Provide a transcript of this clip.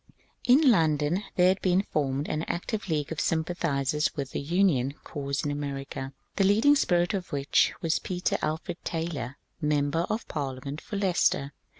In London there had been formed an active league of sym pathizers with the Union cause in America, the leading spirit of which was Peter Alfred Taylor, Member of Parliament for Leicester.